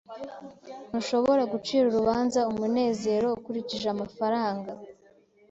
Ntushobora gucira urubanza umunezero ukurikije amafaranga.